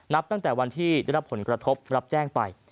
ตั้งแต่วันที่ได้รับผลกระทบรับแจ้งไป